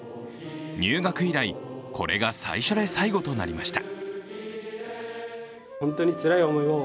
入学以来、これが最初で最後となりました。